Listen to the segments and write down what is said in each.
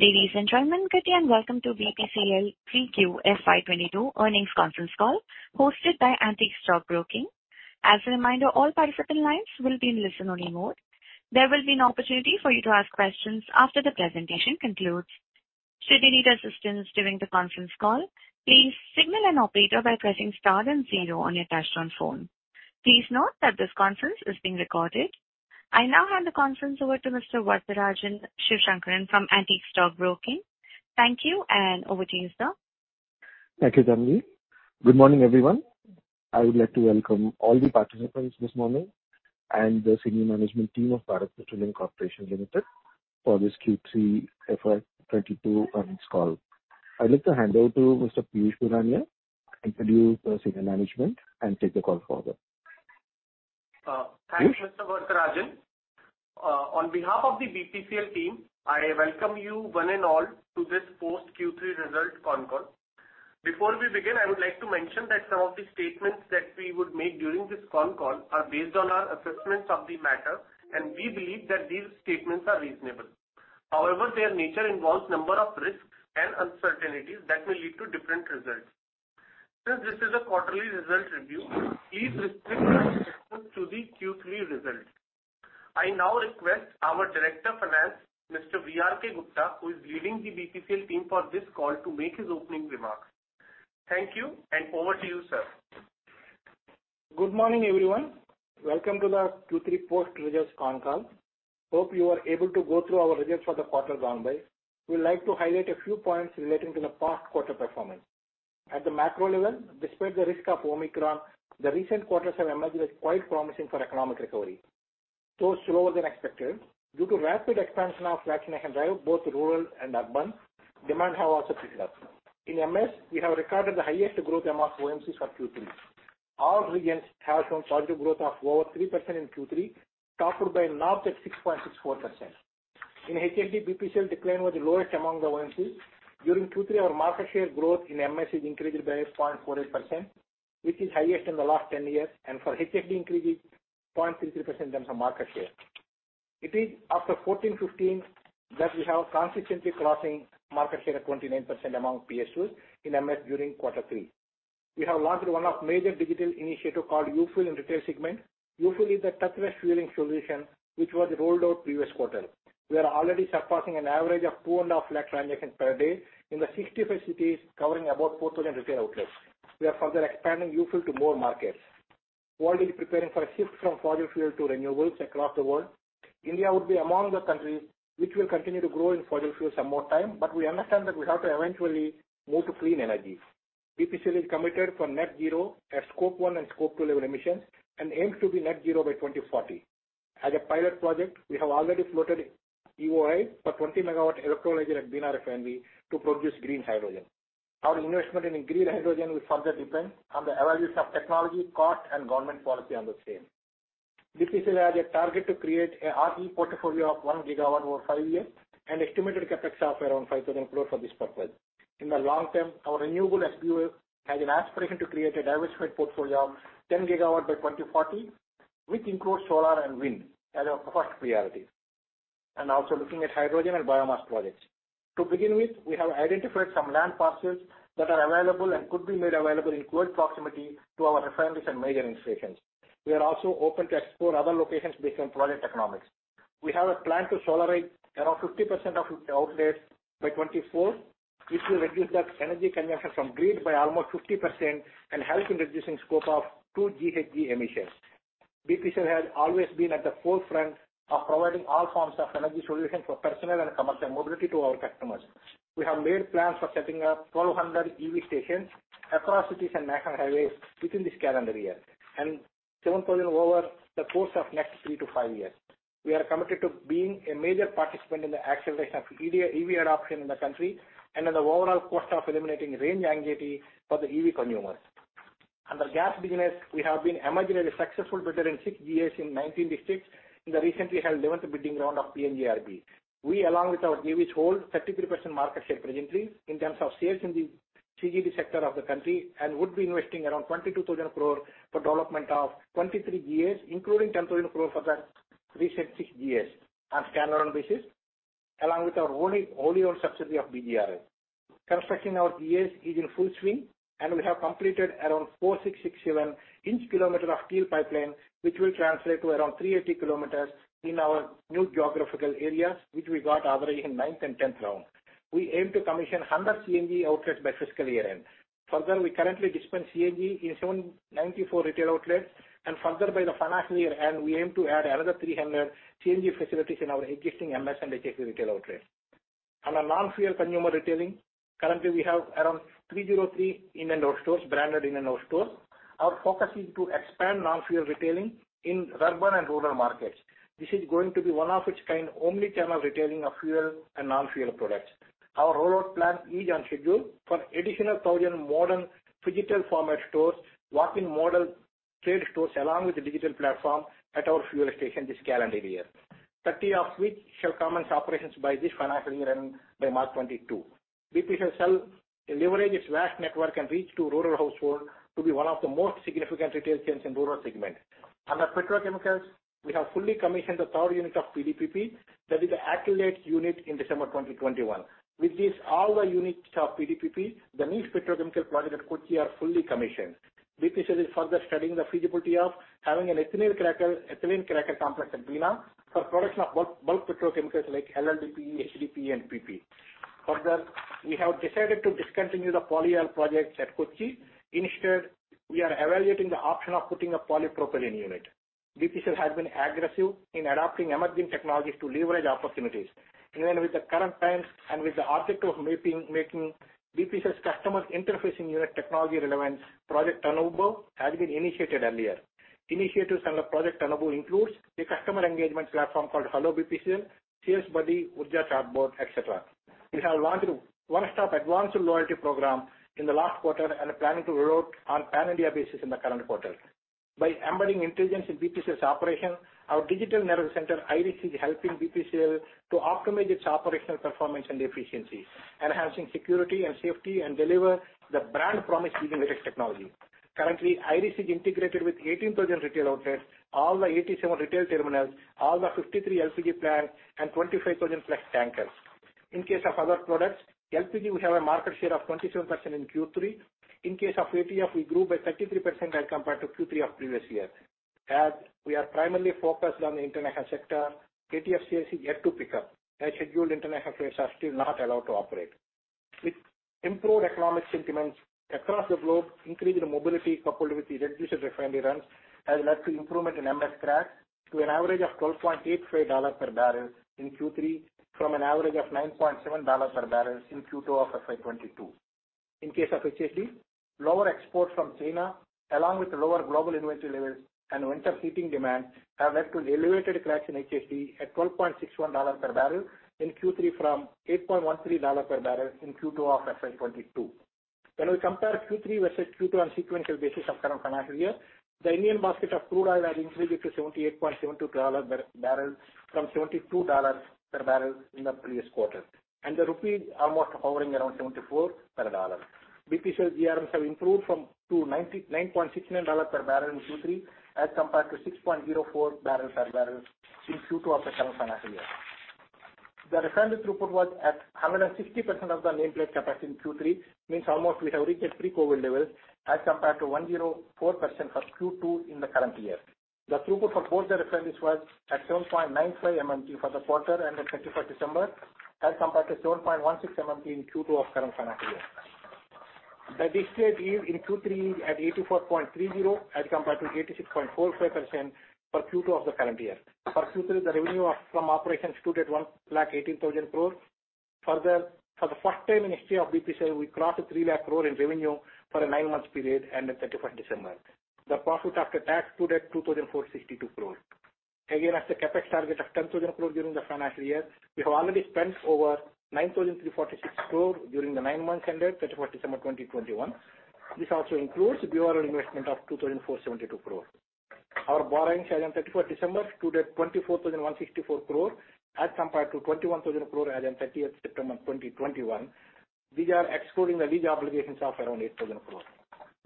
Ladies and gentlemen, good day, and welcome to BPCL 3Q FY 2022 Earnings Conference Call hosted by Antique Stock Broking. As a reminder, all participant lines will be in listen-only mode. There will be an opportunity for you to ask questions after the presentation concludes. Should you need assistance during the conference call, please signal an operator by pressing star then zero on your touchtone phone. Please note that this conference is being recorded. I now hand the conference over to Mr. Varatharajan Sivasankaran from Antique Stock Broking. Thank you, and over to you, sir. Thank you, Tanvi. Good morning, everyone. I would like to welcome all the participants this morning and the senior management team of Bharat Petroleum Corporation Limited for this Q3 FY 2022 Earnings Call. I'd like to hand over to Mr. Piyush Borania to introduce the senior management and take the call further. Piyush? Thanks, Mr. Varatharajan. On behalf of the BPCL team, I welcome you one and all to this post Q3 result con call. Before we begin, I would like to mention that some of the statements that we would make during this con call are based on our assessments of the matter, and we believe that these statements are reasonable. However, their nature involves number of risks and uncertainties that may lead to different results. Since this is a quarterly result review, please restrict your questions to the Q3 results. I now request our Director of Finance, Mr. V.R.K. Gupta, who is leading the BPCL team for this call, to make his opening remarks. Thank you, and over to you, sir. Good morning, everyone. Welcome to the Q3 post results con call. Hope you are able to go through our results for the quarter gone by. We'd like to highlight a few points relating to the past quarter performance. At the macro level, despite the risk of Omicron, the recent quarters have emerged as quite promising for economic recovery, though slower than expected. Due to rapid expansion of vaccination drive, both rural and urban, demand have also picked up. In MS, we have recorded the highest growth amongst OMCs for Q3. All regions have shown positive growth of over 3% in Q3, topped by North at 6.64%. In HSD, BPCL decline was the lowest among the OMCs. During Q3, our market share growth in MS is increased by 0.48%, which is highest in the last 10 years. For HSD increased 0.33% in terms of market share. It is after 14, 15 that we have consistently crossing market share of 29% among PSUs in MS during quarter three. We have launched one of major digital initiative called UFill in retail segment. UFill is a touchless fueling solution which was rolled out previous quarter. We are already surpassing an average of 2.5 lakh transactions per day in the 65 cities covering about 4,000 retail outlets. We are further expanding UFill to more markets. World is preparing for a shift from fossil fuel to renewables across the world. India would be among the countries which will continue to grow in fossil fuel some more time, but we understand that we have to eventually move to clean energy. BPCL is committed for net zero at scope one and scope two level emissions, and aims to be net zero by 2040. As a pilot project, we have already floated EOI for 20 MW electrolyzer at Bina Refinery to produce green hydrogen. Our investment in green hydrogen will further depend on the evaluation of technology, cost, and government policy on the same. BPCL has a target to create a RE portfolio of 1 GW over five years and estimated CapEx of around 5,000 crores for this purpose. In the long term, our renewable SBU has an aspiration to create a diversified portfolio of 10 GW by 2040, which includes solar and wind as our first priority, and also looking at hydrogen and biomass projects. To begin with, we have identified some land parcels that are available and could be made available in close proximity to our refineries and major installations. We are also open to explore other locations based on project economics. We have a plan to solarize around 50% of outlets by 2024, which will reduce the energy consumption from grid by almost 50% and help in reducing Scope 2 GHG emissions. BPCL has always been at the forefront of providing all forms of energy solutions for personal and commercial mobility to our customers. We have made plans for setting up 1,200 EV stations across cities and national highways within this calendar year, and 7,000 over the course of next three to five years. We are committed to being a major participant in the acceleration of EV adoption in the country and in the overall cost of eliminating range for the EV consumers. Under gas business, we have emerged as a successful bidder in six GA in 19 districts in the recently held 11th bidding round of PNGRB. We, along with our JVs, hold 33% market share presently in terms of sales in the CGD sector of the country and would be investing around 22,000 crore for development of 23 GA, including 10,000 crore for that recent six GA on standalone basis, along with our only owned subsidiary of BGRL. Construction of GS is in full swing, and we have completed around 4,667 inch-kilometer of steel pipeline, which will translate to around 380 km in our new geographical areas, which we got awarded in ninth and tenth round. We aim to commission 100 CNG outlets by fiscal year-end. Further, we currently dispense CNG in 794 retail outlets, and further by the financial year-end, we aim to add another 300 CNG facilities in our existing MS and HSD retail outlets. Under non-fuel consumer retailing, currently we have around 303 In & Out stores, branded In & Out stores. Our focus is to expand non-fuel retailing in urban and rural markets. This is going to be one of a kind omni-channel retailing of fuel and non-fuel products. Our rollout plan is on schedule for additional 1,000 modern phygital format stores, walk-in model trade stores along with the digital platform at our fuel station this calendar year, 30 of which shall commence operations by this financial year-end by March 2022. BPCL leverages its vast network and reach to rural household to be one of the most significant retail chains in rural segment. Under petrochemicals, we have fully commissioned the third unit of PDPP, that is the acrylates unit in December 2021. With this, all the units of PDPP, the niche petrochemical project at Kochi are fully commissioned. BPCL is further studying the feasibility of having an ethylene cracker complex at Bina for production of bulk petrochemicals like LLDPE, HDPE and PP. Further, we have decided to discontinue the polyol projects at Kochi. Instead, we are evaluating the option of putting a polypropylene unit. BPCL has been aggressive in adopting emerging technologies to leverage opportunities. In line with the current times and with the objective of making BPCL's customers interfacing unit technology relevance, Project Anubhav has been initiated earlier. Initiatives under Project Anubhav includes a customer engagement platform called HelloBPCL, Sales Buddy, Urja chatbot, etc. We have launched one-stop advanced loyalty program in the last quarter and are planning to roll out on pan-India basis in the current quarter. By embedding intelligence in BPCL's operation, our digital nerve center, IRIS, is helping BPCL to optimize its operational performance and efficiency, enhancing security and safety, and deliver the brand promise using latest technology. Currently, IRIS is integrated with 18,000 retail outlets, all the 87 retail terminals, all the 53 LPG plants, and 25,000 tank trucks. In case of other products, LPG, we have a market share of 27% in Q3. In case of ATF, we grew by 33% as compared to Q3 of previous year. As we are primarily focused on the international sector, ATF sales is yet to pick up, as scheduled international flights are still not allowed to operate. With improved economic sentiments across the globe, increase in mobility coupled with the reduced refinery runs has led to improvement in MS crack to an average of $12.85 per barrel in Q3 from an average of $9.7 per barrel in Q2 of FY 2022. In case of HSD, lower export from China, along with lower global inventory levels and winter heating demand, have led to elevated cracks in HSD at $12.61 per barrel in Q3 from $8.13 per barrel in Q2 of FY 2022. When we compare Q3 versus Q2 on sequential basis of current financial year, the Indian basket of crude oil has increased to $78.72 per barrel from $72 per barrel in the previous quarter, and the rupee is almost hovering around 74 per dollar. BPCL GRMs have improved to $9.69 per barrel in Q3 as compared to $6.04 dollars per barrel in Q2 of the current financial year. The refinery throughput was at 160% of the nameplate capacity in Q3, means almost we have reached pre-COVID levels as compared to 104% for Q2 in the current year. The throughput for both the refineries was at 7.95 MMT for the quarter ended December 2024, as compared to 7.16 MMT in Q2 of current financial year. The distillate yield in Q3 at 84.30% as compared to 86.45% for Q2 of the current year. For Q3, the revenue from operations stood at 1,80,000 crore. Further, for the first time in history of BPCL, we crossed 3 lakh crore in revenue for a nine-month period ended 31st December 2024. The profit after tax stood at 2,462 crore. As the CapEx target of 10,000 crore during the financial year, we have already spent over 9,346 crore during the nine months ended 24th December 2021. This also includes BORL investment of 2,472 crore. Our borrowings as on 24th December stood at 24,164 crore as compared to 21,000 crore as on 30th September 2021. These are excluding the lease obligations of around 8,000 crore.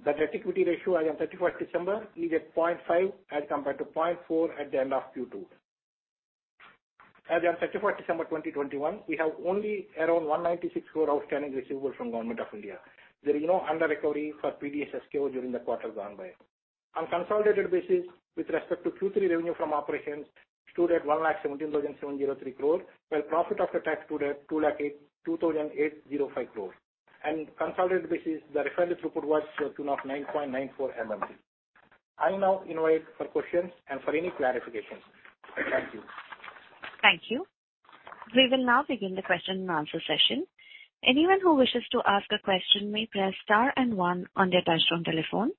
The debt equity ratio as on 24th December is at 0.5x as compared to 0.4x at the end of Q2. As on 24th December 2021, we have only around 196 crore outstanding receivable from Government of India. There is no under-recovery for PDS Kerosene during the quarter gone by. On consolidated basis with respect to Q3 revenue from operations stood at 1,17,703 crore, while profit after tax stood at 2,805 crore. Consolidated basis, the refinery throughput was to the tune of 9.94 MMT. I now invite for questions and for any clarifications. Thank you. Thank you. We will now begin the question and answer session. Anyone who wishes to ask a question may press star and one on their touchtone telephone.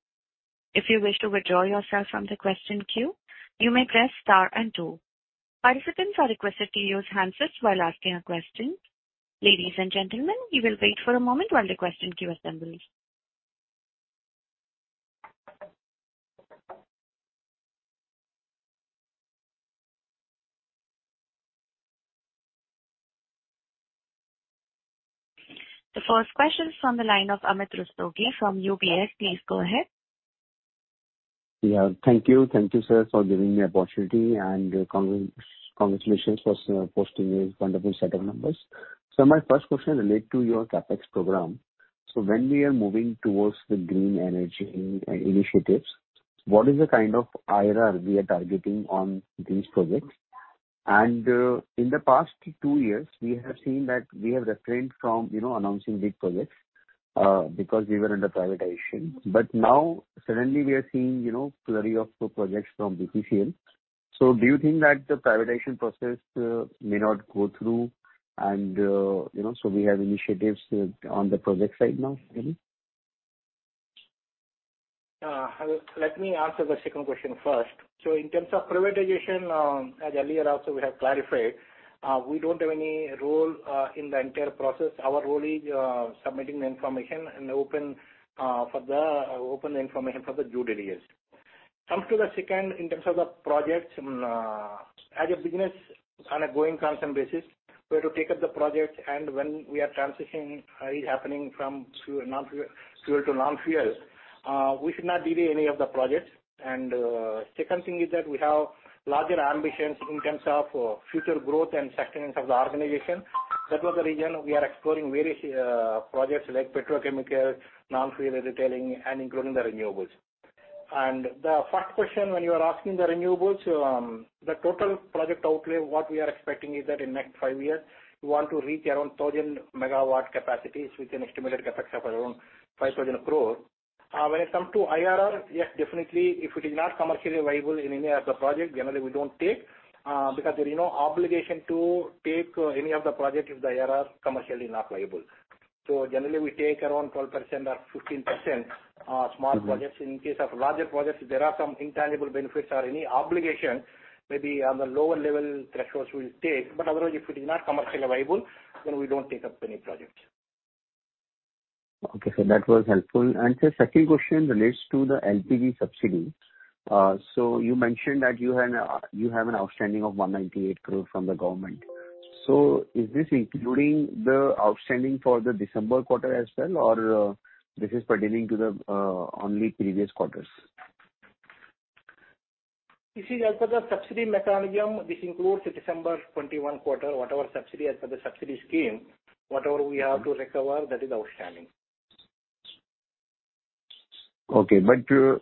If you wish to withdraw yourself from the question queue, you may press star and two. Participants are requested to use handsets while asking a question. Ladies and gentlemen, we will wait for a moment while the question queue assembles. The first question is from the line of Amit Rustagi from UBS. Please go ahead. Yeah. Thank you. Thank you, sir, for giving me opportunity, and congratulations for posting a wonderful set of numbers. My first question relates to your CapEx program. When we are moving towards the green energy initiatives, what is the kind of IRR we are targeting on these projects? In the past two years, we have seen that we have refrained from, you know, announcing big projects because we were under privatization. Now suddenly we are seeing, you know, flurry of projects from BPCL. Do you think that the privatization process may not go through and, you know, so we have initiatives on the project side now, maybe? Hello, let me answer the second question first. In terms of privatization, as earlier also we have clarified, we don't have any role in the entire process. Our role is submitting the information in the open for the open information for the due diligence. Coming to the second in terms of the projects, as a business on a going concern basis, we have to take up the projects and when we are transitioning is happening from fuel to non-fuel, we should not delay any of the projects. Second thing is that we have larger ambitions in terms of future growth and sustenance of the organization. That was the reason we are exploring various projects like petrochemical, non-fuel retailing, and including the renewables. The first question when you are asking the renewables, the total project outlay, what we are expecting is that in next five years, we want to reach around 1,000 MW capacities with an estimated CapEx of around 5,000 crore. When it comes to IRR, yes, definitely, if it is not commercially viable in any of the project, generally, we don't take, because there is no obligation to take, any of the project if the IRR commercially not viable. Generally, we take around 12% or 15%, small projects. In case of larger projects, if there are some intangible benefits or any obligation, maybe on the lower level thresholds we'll take. Otherwise, if it is not commercially viable, we don't take up any projects. Okay, sir, that was helpful. Sir, second question relates to the LPG subsidy. You mentioned that you have an outstanding of 198 crore from the government. Is this including the outstanding for the December quarter as well, or this is pertaining to only previous quarters? This is as per the subsidy mechanism. This includes the December 2021 quarter, whatever subsidy as per the subsidy scheme, whatever we have to recover, that is outstanding. Okay,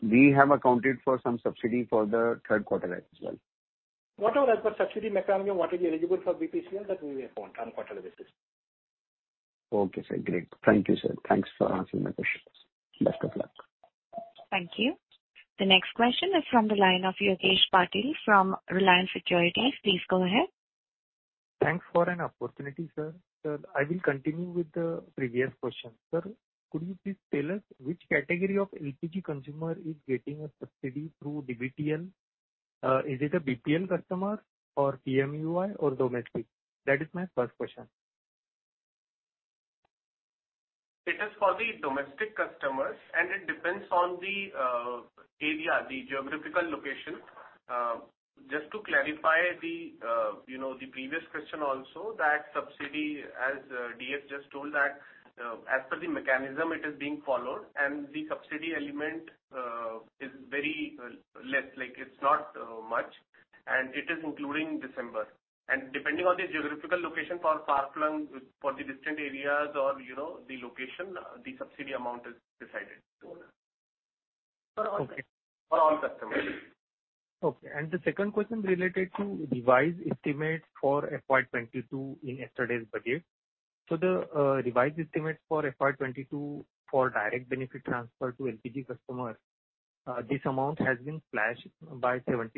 we have accounted for some subsidy for the third quarter as well. Whatever, as per subsidy mechanism, what is eligible for BPCL that we account on quarterly basis. Okay, sir. Great. Thank you, sir. Thanks for answering my questions. Best of luck. Thank you. The next question is from the line of Yogesh Patil from Reliance Securities. Please go ahead. Thanks for an opportunity, sir. Sir, I will continue with the previous question. Sir, could you please tell us which category of LPG consumer is getting a subsidy through DBTL? Is it a BPL customer or PMUY or domestic? That is my first question. It is for the domestic customers, and it depends on the area, the geographical location. Just to clarify the previous question also, that subsidy, as DF just told that, as per the mechanism, it is being followed, and the subsidy element is very less, like, it's not much, and it is including December. Depending on the geographical location for far-flung, for the distant areas or, you know, the location, the subsidy amount is decided. Okay. For all customers. Okay. The second question related to revised estimate for FY 2022 in yesterday's budget. The revised estimate for FY 2022 for direct benefit transfer to LPG customers, this amount has been slashed by 73%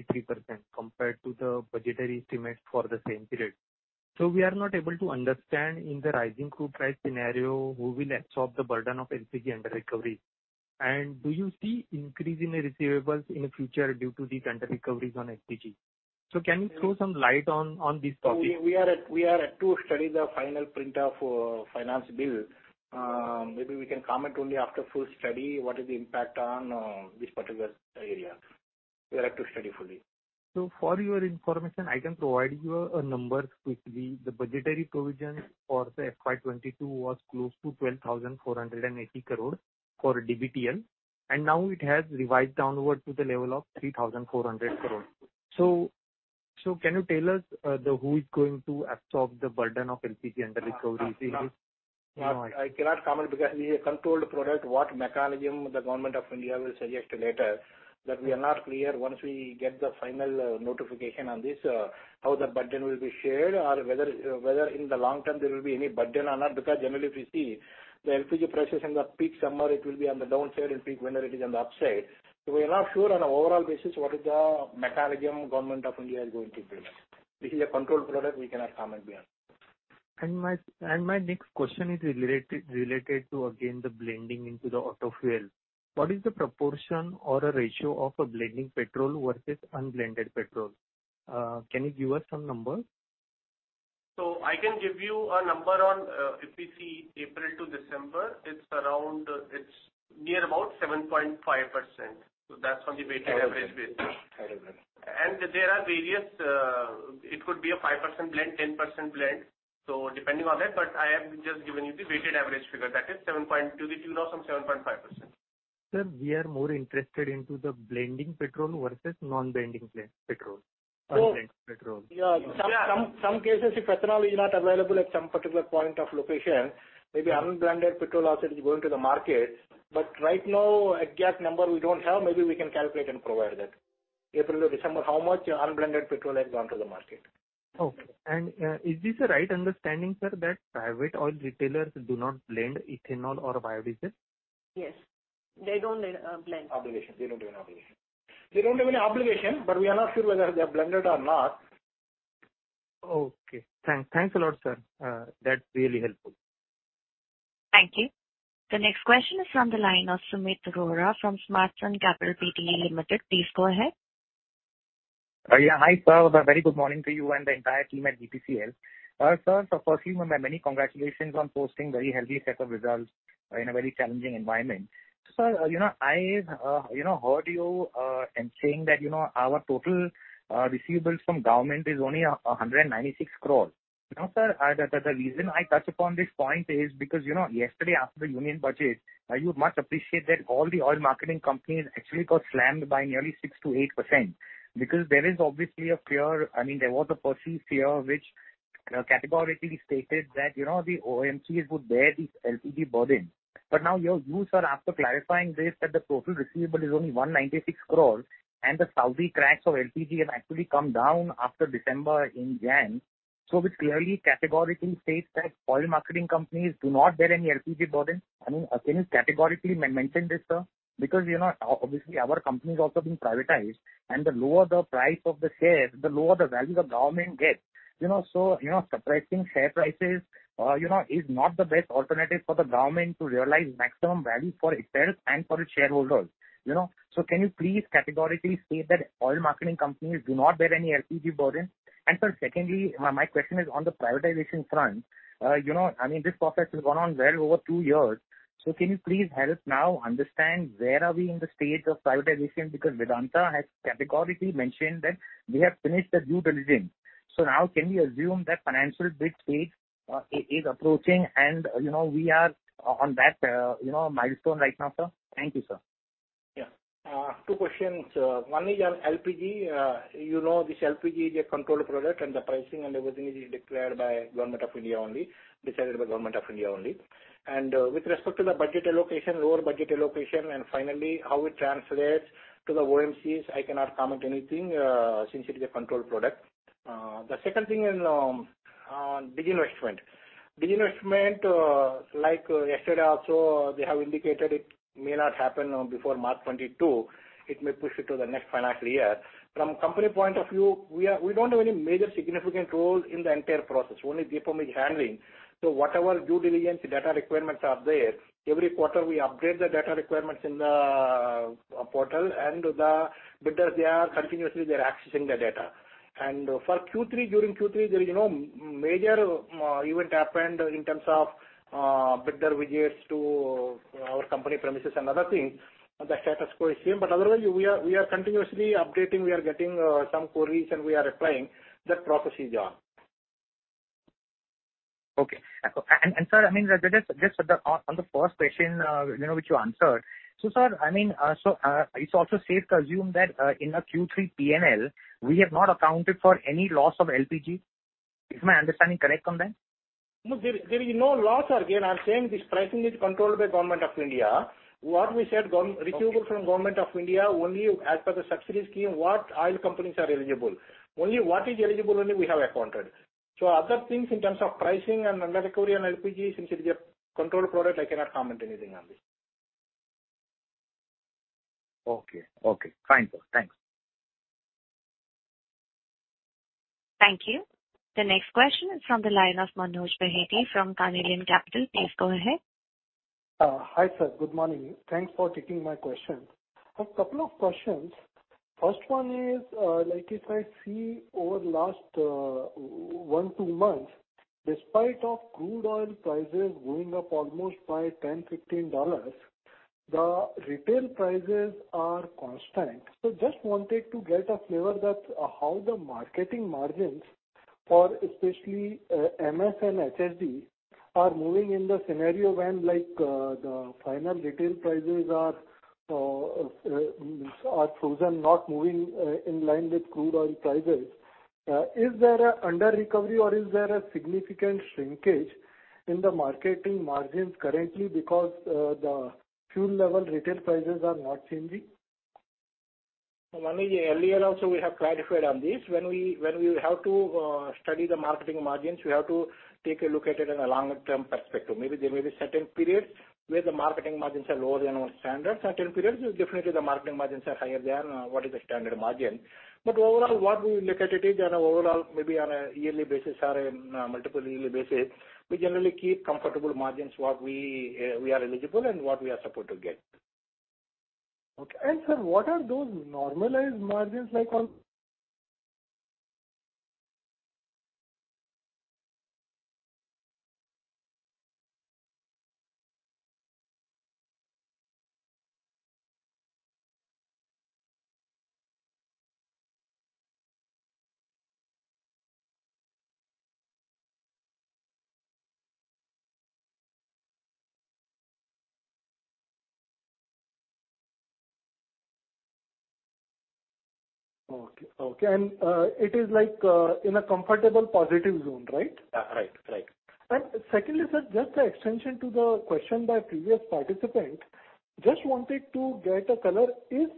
compared to the budgetary estimate for the same period. We are not able to understand in the rising crude price scenario who will absorb the burden of LPG under recovery. Do you see increase in the receivables in the future due to these under recoveries on LPG? Can you throw some light on this topic? We are yet to study the final print of Finance Bill. Maybe we can comment only after full study what is the impact on this particular area. We have to study fully. For your information, I can provide you a number quickly. The budgetary provision for the FY 2022 was close to 12,400 crore for DBTL, and now it has revised downward to the level of 3,400 crore. Can you tell us who is going to absorb the burden of LPG under recovery? No, I cannot comment because we have controlled product. What mechanism the Government of India will suggest later, that we are not clear. Once we get the final notification on this, how the burden will be shared or whether in the long term there will be any burden or not, because generally if you see the LPG prices in the peak summer, it will be on the downside, in peak winter it is on the upside. We're not sure on an overall basis what is the mechanism Government of India is going to build up. This is a controlled product, we cannot comment beyond. My next question is related to again the blending into the auto fuel. What is the proportion or a ratio of a blending petrol versus unblended petrol? Can you give us some numbers? I can give you a number on if you see April to December, it's around, it's near about 7.5%. That's on the weighted average basis. Terrible. There are various. It could be a 5% blend, 10% blend. Depending on that, but I have just given you the weighted average figure, that is to the tune of some 7.5%. Sir, we are more interested in the blended petrol versus non-blended petrol. So- Unblended petrol. Yeah. Some cases if ethanol is not available at some particular point of location, maybe unblended petrol also is going to the market. Right now, exact number we don't have, maybe we can calculate and provide that. April to December, how much unblended petrol has gone to the market? Okay. Is this a right understanding, sir, that private oil retailers do not blend ethanol or biodiesel? Yes. They don't blend. They don't have any obligation, but we are not sure whether they have blended or not. Okay. Thanks a lot, sir. That's really helpful. Thank you. The next question is from the line of Sumeet Rohra from Smartsun Capital Pte Limited. Please go ahead. Hi, sir. Very good morning to you and the entire team at BPCL. Sir, firstly, my many congratulations on posting very healthy set of results in a very challenging environment. Sir, you know, I've heard you saying that, you know, our total receivables from government is only 196 crore. You know, sir, the reason I touch upon this point is because, you know, yesterday after the Union Budget, you'll appreciate that all the oil marketing companies actually got slammed by nearly 6%-8% because there is obviously a fear, I mean, there was a perceived fear which, you know, categorically stated that, you know, the OMCs would bear this LPG burden. Now, you sir, after clarifying this that the total receivable is only 196 crore and the Saudi cracks of LPG have actually come down after December in Jan. This clearly categorically states that oil marketing companies do not bear any LPG burden. I mean, can you categorically mention this, sir? Because, you know, obviously, our company is also being privatized, and the lower the price of the shares, the lower the value the government gets. You know, suppressing share prices, you know, is not the best alternative for the government to realize maximum value for itself and for its shareholders, you know. Can you please categorically state that oil marketing companies do not bear any LPG burden? Sir, secondly, my question is on the privatization front. You know, I mean, this process has gone on well over two years. Can you please help us understand where we are in the stage of privatization? Because Vedanta has categorically mentioned that they have finished the due diligence. Now can we assume that financial bid stage is approaching and, you know, we are on that, you know, milestone right now, sir? Thank you, sir. Two questions. One is on LPG. You know, this LPG is a controlled product and the pricing and everything is declared by Government of India only, decided by Government of India only. With respect to the budget allocation, lower budget allocation, and finally how it translates to the OMCs, I cannot comment anything, since it is a controlled product. The second thing is on bid investment. Bid investment, like yesterday also, they have indicated it may not happen before March 2022. It may push it to the next financial year. From company point of view, we don't have any major significant role in the entire process. Only DIPAM is handling. Whatever due diligence data requirements are there, every quarter we update the data requirements in the portal and the bidders, they are continuously, they're accessing the data. For Q3, during Q3, there is no major event happened in terms of bidder visits to our company premises and other things. The status quo is same, but otherwise we are continuously updating. We are getting some queries, and we are replying. That process is on. Okay, sir, I mean, just on the first question, you know, which you answered. Sir, I mean, it's also safe to assume that in our Q3 P&L, we have not accounted for any loss of LPG. Is my understanding correct on that? No, there is no loss again. I'm saying this pricing is controlled by Government of India. What we said govern- Okay. Receivables from Government of India only as per the subsidy scheme, what oil companies are eligible. Only what is eligible only we have accounted. Other things in terms of pricing and underrecovery on LPG, since it is a controlled product, I cannot comment anything on this. Okay. Okay. Fine, sir. Thanks. Thank you. The next question is from the line of Manoj Bahety from Carnelian Capital. Please go ahead. Hi, sir. Good morning. Thanks for taking my question. A couple of questions. First one is, like if I see over the last one, two months, despite of crude oil prices going up almost by $10-$15, the retail prices are constant. Just wanted to get a flavor that, how the marketing margins for especially MS and HSD are moving in the scenario when, like, the final retail prices are frozen, not moving in line with crude oil prices. Is there a underrecovery or is there a significant shrinkage in the marketing margins currently because the fuel level retail prices are not changing? Earlier also we have clarified on this. When we have to study the marketing margins, we have to take a look at it in a longer term perspective. Maybe there may be certain periods where the marketing margins are lower than our standard. Certain periods, definitely the marketing margins are higher than what is the standard margin. Overall, what we look at it is on a overall, maybe on a yearly basis or in a multiple yearly basis, we generally keep comfortable margins what we are eligible and what we are supposed to get. Okay. Sir, what are those normalized margins like on. Okay. Okay. It is like, in a comfortable positive zone, right? Right. Right. Secondly, sir, just an extension to the question by previous participant, just wanted to get a color. If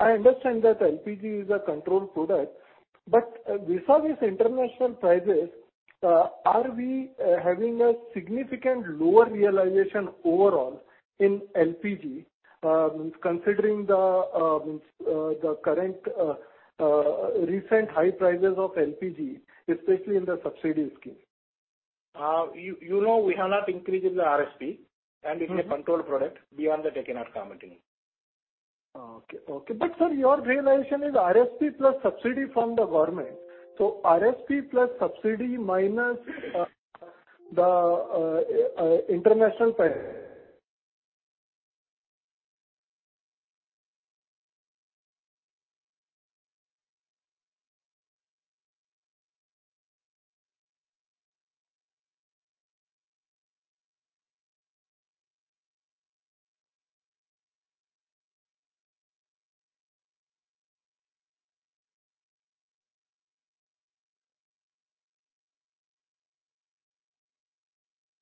I understand that LPG is a controlled product, but vis-à-vis international prices, are we having a significant lower realization overall in LPG, considering the current recent high prices of LPG, especially in the subsidy scheme? You know, we have not increased the RSP. Mm-hmm. It's a controlled product. Beyond that, I cannot comment any. Sir, your realization is RSP plus subsidy from the government. RSP plus subsidy minus the international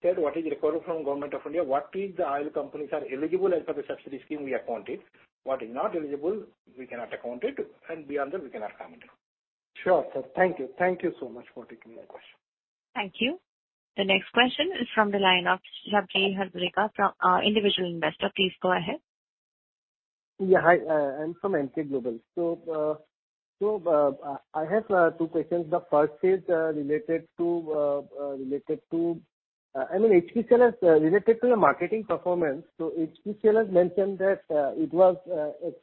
parity. Tell what is required from Government of India. What the oil companies are eligible as per the subsidy scheme we accounted. What is not eligible, we cannot account it, and beyond that we cannot comment. Sure, sir. Thank you. Thank you so much for taking my question. Thank you. The next question is from the line of Sabri Hazarika, Individual Investor. Please go ahead. Yeah, hi, I'm from Emkay Global. I have two questions. The first is related to your marketing performance. HPCL has mentioned that it was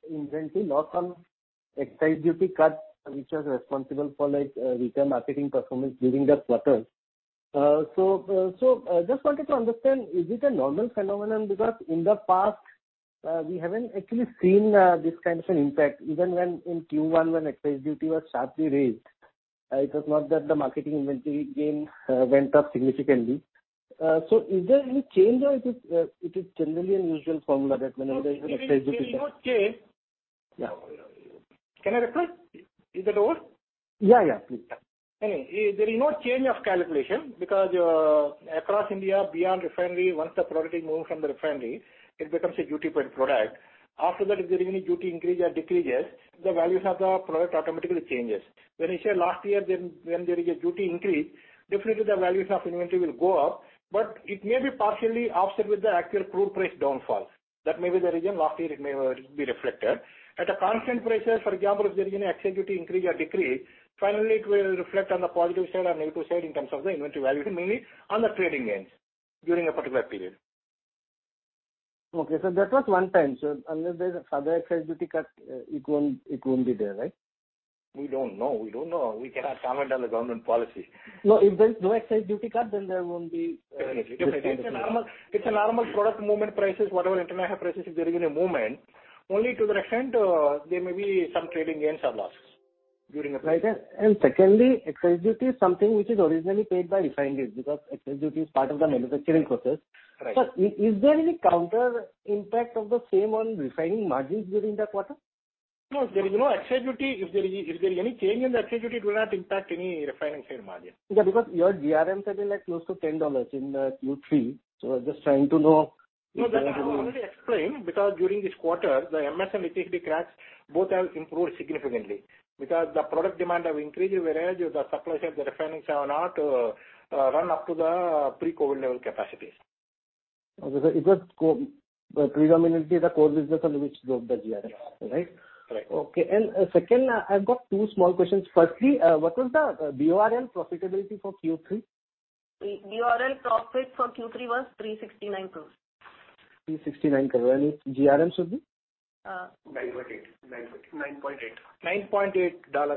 inventory loss on excise duty cut which was responsible for like retail marketing performance during the quarter. Just wanted to understand, is it a normal phenomenon? Because in the past, we haven't actually seen this kind of an impact. Even when in Q1 when excise duty was sharply raised, it was not that the marketing inventory gains went up significantly. Is there any change or it is generally a usual formula that whenever there is an excise duty cut- No, there is no change. Yeah. Can I repeat? Is that over? Yeah, yeah. Please. Anyway, there is no change of calculation because, across India, beyond refinery, once the product is moving from the refinery, it becomes a duty paid product. After that, if there is any duty increase or decreases, the values of the product automatically changes. When you say last year then when there is a duty increase, definitely the values of inventory will go up, but it may be partially offset with the actual crude price downfall. That may be the reason last year it may be reflected. At a constant prices, for example, if there is any excise duty increase or decrease, finally it will reflect on the positive side or negative side in terms of the inventory value, mainly on the trading gains during a particular period. Okay. That was one time. Unless there is a further excise duty cut, it won't be there, right? We don't know. We cannot comment on the government policy. No, if there is no excise duty cut, then there won't be this thing. Definitely. It's a normal product movement prices. Whatever international prices if they're going to move, only to the extent there may be some trading gains or losses during a period. Right. Secondly, excise duty is something which is originally paid by refineries because excise duty is part of the manufacturing process. Right. Sir, is there any counter impact of the same on refining margins during that quarter? No, there is no excise duty. If there is any change in the excise duty, it will not impact any refining sale margin. Yeah, because your GRM suddenly like close to $10 in Q3. I was just trying to know if that has any- No, that I have already explained because during this quarter, the MS and HSD cracks both have improved significantly because the product demand have increased whereas the suppliers of the refineries have not run up to the pre-COVID level capacities. Okay. It was predominantly the core business only which drove the GRM. Yeah. Right? Right. Okay. Second, I've got two small questions. Firstly, what was the BORL profitability for Q3? BORL profit for Q3 was 369 crore. 369 crore. GRM should be? Uh. $9.8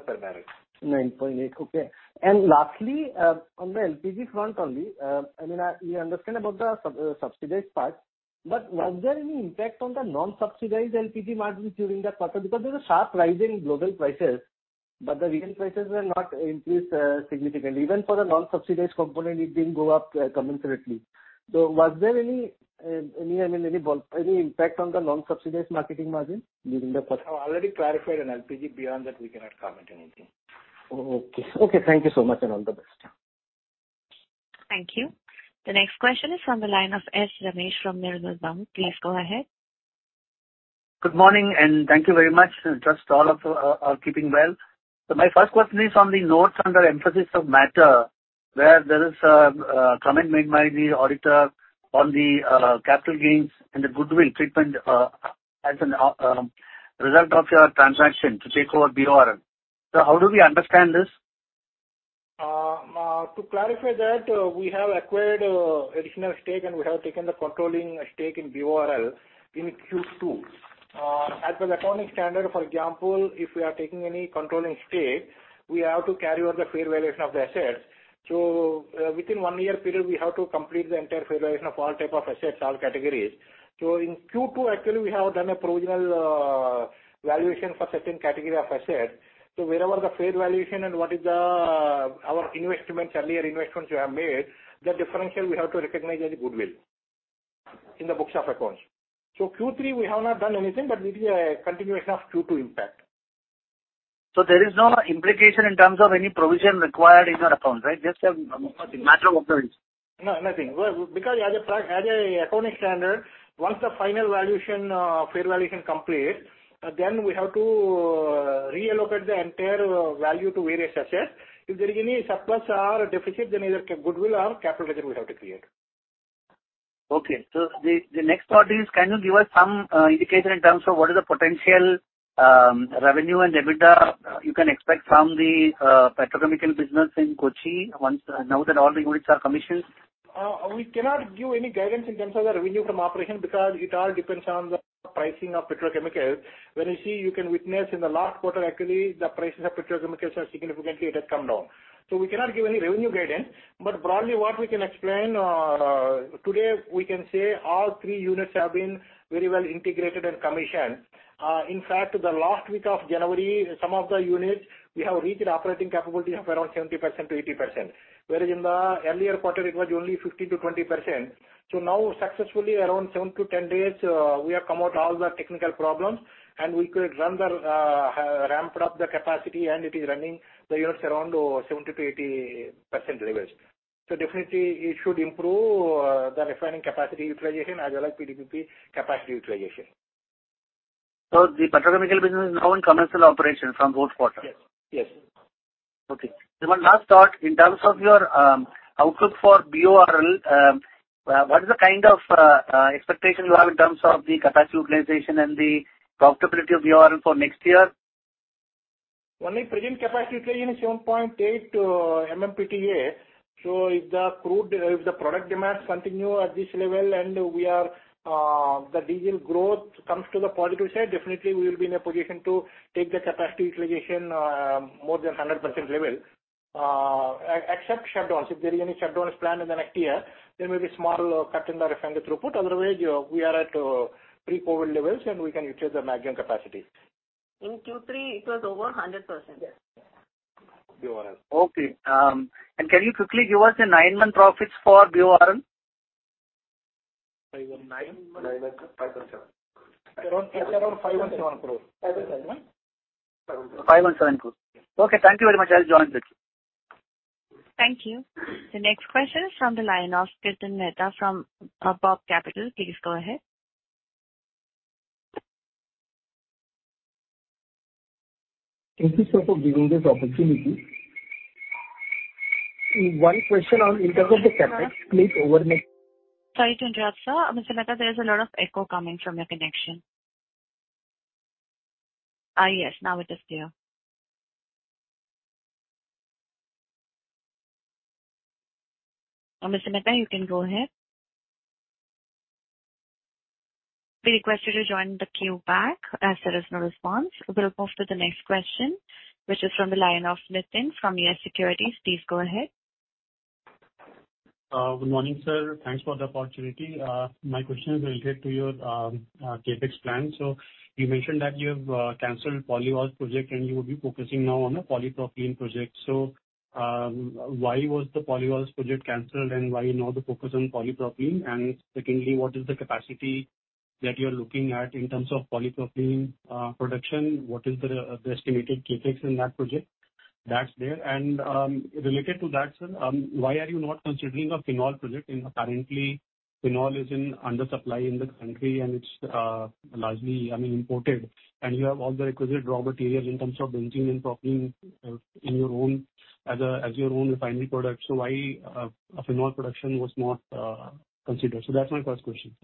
per barrel. $9.8. Okay. Lastly, on the LPG front only, I mean, we understand about the subsidized part, but was there any impact on the non-subsidized LPG margin during that quarter? Because there's a sharp rise in global prices, but the recent prices were not increased significantly. Even for the non-subsidized component, it didn't go up commensurately. Was there any, I mean, any impact on the non-subsidized marketing margin during the quarter? I've already clarified on LPG. Beyond that, we cannot comment anything. Okay, thank you so much, and all the best. Thank you. The next question is from the line of S. Ramesh from Nirmal Bang. Please go ahead. Good morning, and thank you very much. I trust all of you are keeping well. My first question is on the notes under emphasis of matter, where there is a comment made by the auditor on the capital gains and the goodwill treatment as a result of your transaction to take over BORL. How do we understand this? To clarify that, we have acquired additional stake, and we have taken the controlling stake in BORL in Q2. As per the accounting standard, for example, if we are taking any controlling stake, we have to carry out the fair valuation of the assets. Within one year period, we have to complete the entire fair valuation of all type of assets, all categories. In Q2, actually, we have done a provisional valuation for certain category of assets. Wherever the fair valuation and what is the, our investments, earlier investments we have made, the differential we have to recognize as a goodwill in the books of accounts. Q3, we have not done anything, but this is a continuation of Q2 impact. There is no implication in terms of any provision required in your accounts, right? Just a matter of approval. No, nothing. Well, because as an accounting standard, once the final valuation, fair valuation complete, then we have to reallocate the entire value to various assets. If there is any surplus or a deficit, then either goodwill or capital reserve we have to create. Okay. The next thought is, can you give us some indicator in terms of what is the potential revenue and EBITDA you can expect from the petrochemical business in Kochi once now that all the units are commissioned? We cannot give any guidance in terms of the revenue from operation because it all depends on the pricing of petrochemical. When you see, you can witness in the last quarter actually the prices of petrochemicals have significantly it has come down. We cannot give any revenue guidance. Broadly what we can explain, today we can say all three units have been very well integrated and commissioned. In fact, the last week of January, some of the units we have reached operating capability of around 70% to 80%, whereas in the earlier quarter it was only 15%-20%. Now successfully around seven to 10 days, we have come out all the technical problems, and we ramped up the capacity and it is running the units around 70%-80% levels. Definitely it should improve the refining capacity utilization as well as PDPP capacity utilization. The petrochemical business is now in commercial operation from fourth quarter? Yes. Yes. Okay. One last thought, in terms of your outlook for BORL, what is the kind of expectation you have in terms of the capacity utilization and the profitability of BORL for next year? Only present capacity utilization is 7.8 MMTPA. If the product demands continue at this level and the diesel growth comes to the positive side, definitely we will be in a position to take the capacity utilization more than 100% level. Except shutdowns. If there is any shutdowns planned in the next year, there may be small cut in the refinery throughput. Otherwise, we are at pre-COVID levels, and we can utilize the maximum capacity. In Q3 it was over 100%. Yes. BORL. Okay, can you quickly give us the nine-month profits for BORL? Nine months. Nine months. It's around INR 517 crore. INR 517 crore. INR 517 crore. Okay, thank you very much. I'll join the queue. Thank you. The next question is from the line of Kirtan Mehta from BOB Capital. Please go ahead. Thank you, sir, for giving this opportunity. One question on in terms of the capacity please over next. Sorry to interrupt, sir. Mr. Mehta, there's a lot of echo coming from your connection. Yes, now it is clear. Mr. Mehta, you can go ahead. We request you to join the queue back as there is no response. We'll move to the next question, which is from the line of Nitin from YES Securities. Please go ahead. Good morning, sir. Thanks for the opportunity. My question is related to your CapEx plan. You mentioned that you have canceled polyol project and you will be focusing now on a polypropylene project. Why was the polyols project canceled and why now the focus on polypropylene? And secondly, what is the capacity that you are looking at in terms of polypropylene production? What is the estimated CapEx in that project? That's there. And related to that, sir, why are you not considering a phenol project? Currently phenol is in under supply in the country and it's largely, I mean, imported. And you have all the requisite raw materials in terms of benzene and propylene in your own as your own refinery product. Why a phenol production was not considered? That's my first question.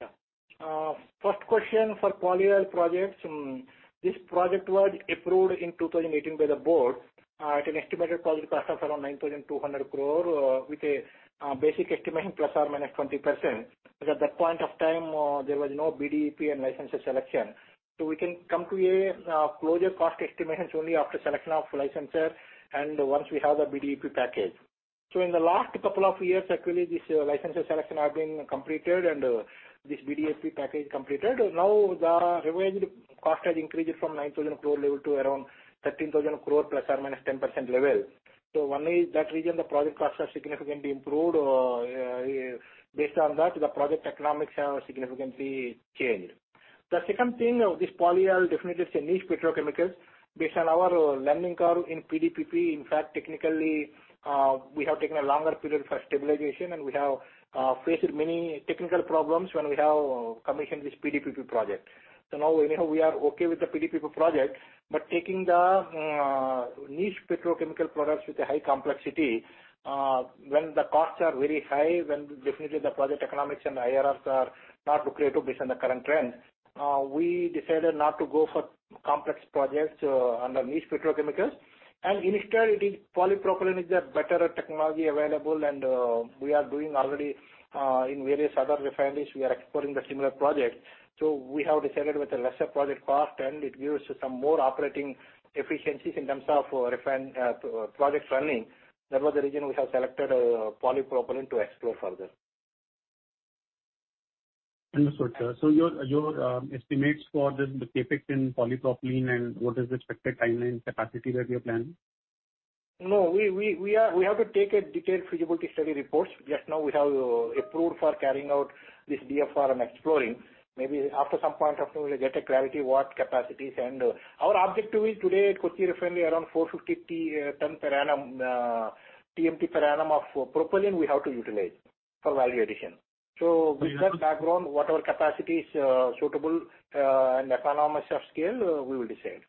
Yeah. First question for polyol projects. This project was approved in 2018 by the board, at an estimated project cost of around 9,200 crore, with a basic estimation ±20%. At that point of time, there was no BDEP and licensor selection. We can come to a closure cost estimations only after selection of licensor and once we have the BDEP package. In the last couple of years actually this licensor selection have been completed and, this BDEP package completed. Now the revised cost has increased from 9,000 crore level to around 13,000 crore ±10% level. One is that reason the project costs have significantly improved. Based on that the project economics have significantly changed. The second thing, this polyol definitely is a niche petrochemical. Based on our learning curve in PDPP, in fact technically, we have taken a longer period for stabilization and we have faced many technical problems when we have commissioned this PDPP project. Now we are okay with the PDPP project, but taking the niche petrochemical products with a high complexity, when the costs are very high, when definitely the project economics and IRRs are not lucrative based on the current trend, we decided not to go for complex projects under niche petrochemicals. Instead it is polypropylene is the better technology available and we are doing already in various other refineries we are exploring the similar project. We have decided with a lesser project cost and it gives some more operating efficiencies in terms of refining project running. That was the reason we have selected polypropylene to explore further. Understood, sir. Your estimates for this, the CapEx in polypropylene and what is the expected timeline capacity that you are planning? No, we have to take a detailed feasibility study reports. Just now we have approved for carrying out this DFR and exploring. Maybe after some point of time we will get a clarity what capacities. Our objective is at the Kochi Refinery around 450 TMT per annum of propylene we have to utilize for value addition. With that background, what our capacity is suitable and economies of scale we will decide.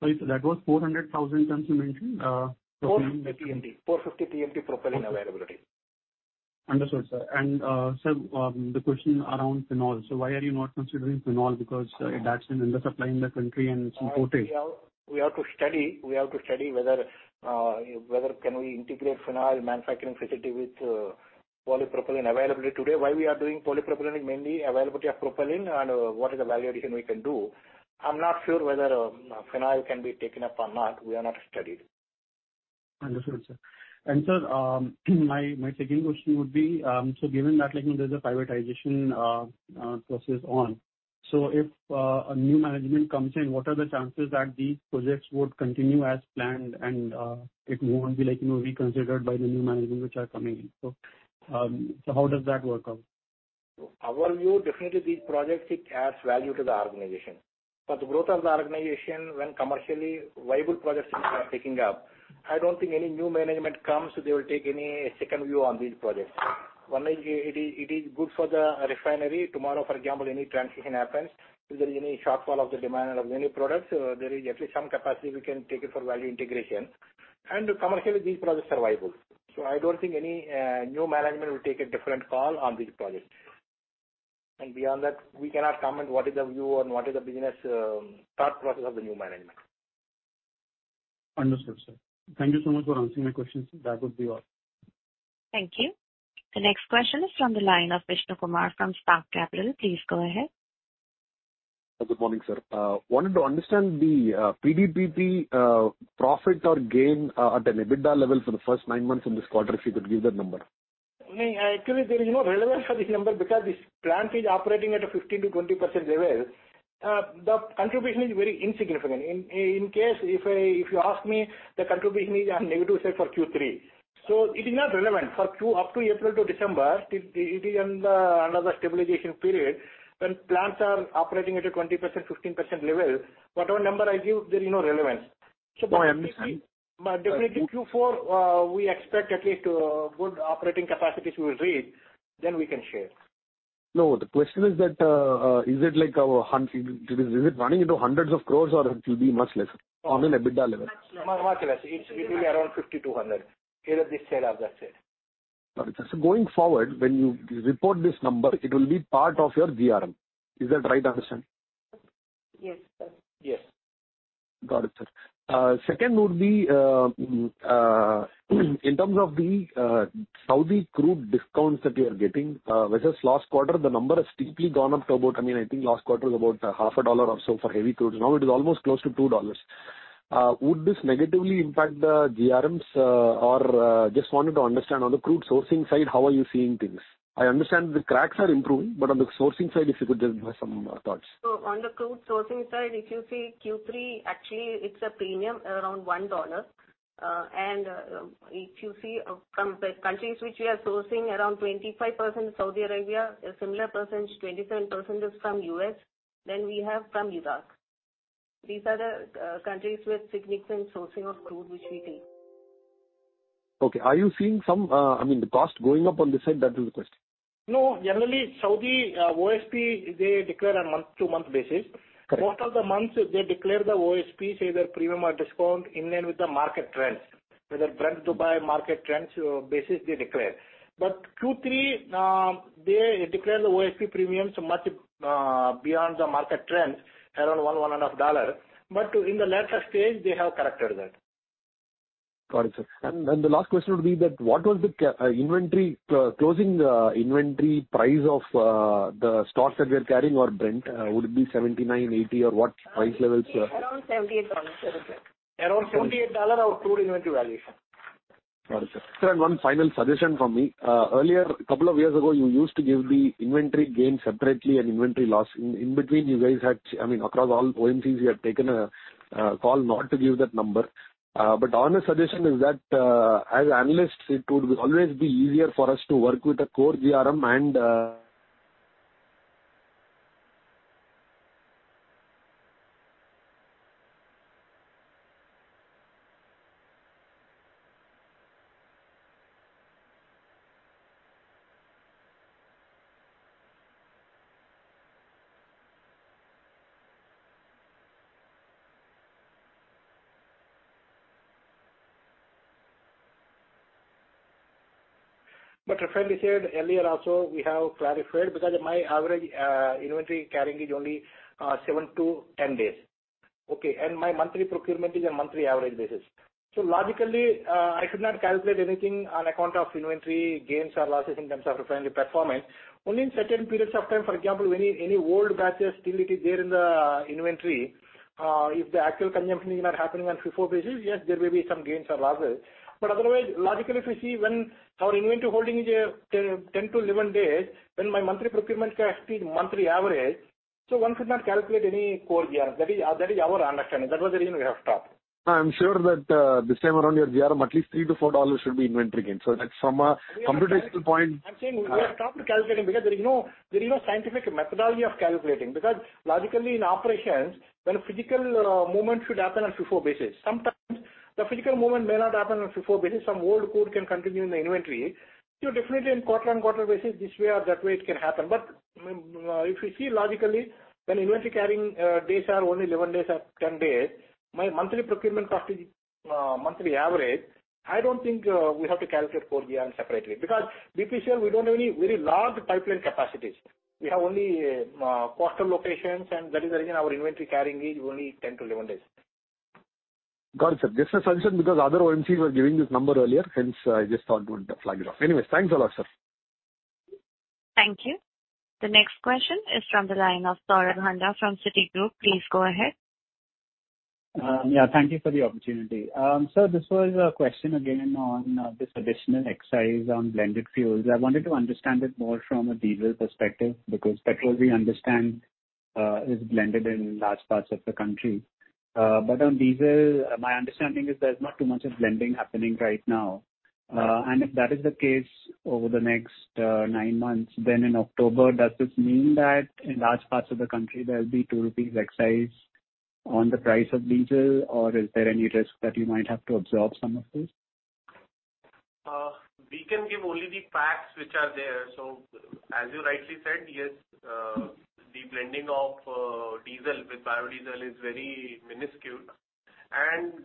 Sorry, sir, that was 400,000 tons you mentioned, propylene- 450 TMT propylene availability. Understood, sir. Sir, the question around phenol. Why are you not considering phenol? Because that's in undersupply in the country and it's imported. We have to study whether we can integrate phenol manufacturing facility with polypropylene availability. Today, why we are doing polypropylene is mainly availability of propylene and what is the value addition we can do. I'm not sure whether phenol can be taken up or not. We have not studied. Understood, sir. Sir, my second question would be, so given that, like, you know, there's a privatization process on. If a new management comes in, what are the chances that these projects would continue as planned and it won't be like, you know, reconsidered by the new management which are coming in? How does that work out? Our view, definitely these projects, it adds value to the organization. For the growth of the organization when commercially viable projects are taking up, I don't think any new management comes, they will take any second view on these projects. One, like, it is good for the refinery. Tomorrow, for example, any transition happens, if there's any shortfall of the demand of any products, there is at least some capacity we can take it for value integration. Commercially, these projects are viable. I don't think any new management will take a different call on these projects. Beyond that, we cannot comment what is the view and what is the business, thought process of the new management. Understood, sir. Thank you so much for answering my questions. That would be all. Thank you. The next question is from the line of Vishnu Kumar from Spark Capital. Please go ahead. Good morning, sir. I wanted to understand the DPP profit or gain at an EBITDA level for the first nine months in this quarter, if you could give that number? I mean, actually, there is no relevance for this number because this plant is operating at a 15%-20% level. The contribution is very insignificant. In case if you ask me, the contribution is negative, say, for Q3. It is not relevant for Q2 up to April to December. It is under the stabilization period. When plants are operating at a 20%, 15% level, whatever number I give, there is no relevance. No, I understand. Definitely Q4, we expect at least good operating capacities we will reach, then we can share. No, the question is that, is it like running into hundreds of crores or it will be much lesser on an EBITDA level? Much lesser. It will be around INR 50 crores-INR 100 crores, either this side or that side. Got it, sir. Going forward, when you report this number, it will be part of your GRM. Is that right? Understand? Yes, sir. Yes. Got it, sir. Second would be in terms of the Saudi crude discounts that you are getting versus last quarter, the number has steeply gone up to about. I mean, I think last quarter is about $0.5 or so for heavy crude. Now it is almost close to $2. Would this negatively impact the GRMs? Just wanted to understand on the crude sourcing side, how are you seeing things? I understand the cracks are improving, but on the sourcing side, if you could just give us some thoughts. On the crude sourcing side, if you see Q3, actually it's a premium around $1. If you see from the countries which we are sourcing, around 25% Saudi Arabia, a similar percentage, 25% is from U.S., then we have from Iraq. These are the countries with significant sourcing of crude which we take. Okay. Are you seeing some, I mean, the cost going up on this side? That is the question. No. Generally, Saudi OSP, they declare on month-to-month basis. Correct. Most of the months they declare the OSP, say their premium or discount in line with the market trends. Whether Brent Dubai market trends basis they declare. Q3, they declare the OSP premiums much beyond the market trends, around $1-$1.5. In the later stage, they have corrected that. Got it, sir. The last question would be that what was the closing inventory price of the stock that we are carrying our Brent. Would it be $79, $80 or what price levels? Around $78. Around $78 of crude inventory valuation. Got it, sir. Sir, one final suggestion from me. Earlier, couple of years ago, you used to give the inventory gain separately and inventory loss. In between you guys had, I mean, across all OMCs, you had taken a call not to give that number. Honest suggestion is that, as analysts, it would always be easier for us to work with a core GRM and Frankly said, earlier also we have clarified because my average inventory carrying is only seven to 10 days. Okay. My monthly procurement is a monthly average basis. Logically, I should not calculate anything on account of inventory gains or losses in terms of refinery performance. Only in certain periods of time, for example, any old batches still it is there in the inventory, if the actual consumption is not happening on FIFO basis, yes, there may be some gains or losses. Otherwise, logically, if you see when our inventory holding is 10 to 11 days, when my monthly procurement cost is monthly average, one should not calculate any core GRM. That is our understanding. That was the reason we have stopped. I'm sure that, this time around your GRM, at least $3-$4 should be inventory gain. That's from a computational point- I'm saying we have stopped calculating because there is no scientific methodology of calculating. Logically in operations, when a physical movement should happen on FIFO basis, sometimes the physical movement may not happen on FIFO basis. Some old crude can continue in the inventory. Definitely in quarter-on-quarter basis, this way or that way it can happen. If you see logically, when inventory carrying days are only 11 days or 10 days, my monthly procurement cost is monthly average. I don't think we have to calculate core GRM separately. Because BPCL, we don't have any very large pipeline capacities. We have only coastal locations, and that is the reason our inventory carrying is only 10 to 11 days. Got it, sir. Just a suggestion because other OMCs were giving this number earlier, hence I just thought to flag it off. Anyways, thanks a lot, sir. Thank you. The next question is from the line of Saurabh Handa from Citigroup. Please go ahead. Yeah, thank you for the opportunity. This was a question again on this additional excise on blended fuels. I wanted to understand it more from a diesel perspective because petrol we understand is blended in large parts of the country. On diesel, my understanding is there's not too much of blending happening right now. If that is the case over the next nine months, then in October, does this mean that in large parts of the country there'll be 2 rupees excise on the price of diesel or is there any risk that you might have to absorb some of this? We can give only the facts which are there. As you rightly said, yes, the blending of diesel with biodiesel is very minuscule.